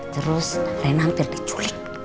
terus rena hampir diculik